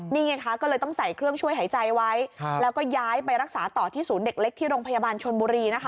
นี่ไงคะก็เลยต้องใส่เครื่องช่วยหายใจไว้แล้วก็ย้ายไปรักษาต่อที่ศูนย์เด็กเล็กที่โรงพยาบาลชนบุรีนะคะ